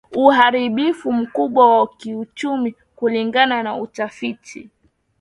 uharibifu mkubwa wa kiuchumi kulingana na utafiti